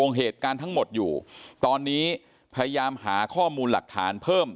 เหตุการณ์ทั้งหมดอยู่ตอนนี้พยายามหาข้อมูลหลักฐานเพิ่ม